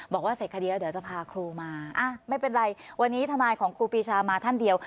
บอกว่าเสร็จคดีแล้วเดี๋ยวจะพาครูมาไม่เป็นไรวันนี้ทนายของครูปีชามาท่านเดียว